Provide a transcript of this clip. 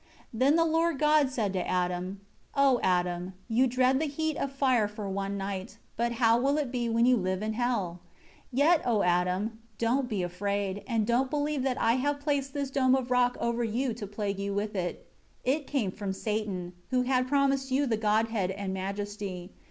4 Then the Lord God said to Adam, "O Adam, you dread the heat of fire for one night, but how will it be when you live in hell? 5 Yet, O Adam, don't be afraid, and don't believe that I have placed this dome of rock over you to plague you with it. 6 It came from Satan, who had promised you the Godhead and majesty.